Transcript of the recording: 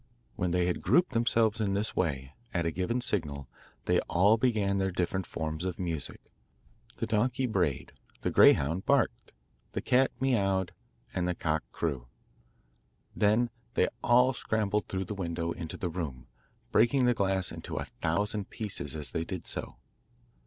When they had grouped themselves in this way, at a given signal, they all began their different forms of music. The donkey brayed, the greyhound barked, the cat miawed, and the cock crew. Then they all scrambled through the window into the room, breaking the glass into a thousand pieces as they did so.